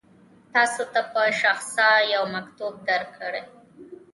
تاسو ته به شخصا یو مکتوب درکړي.